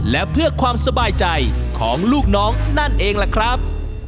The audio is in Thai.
และเพื่อความสบายใจของลูกน้องนั่นเองล่ะครับ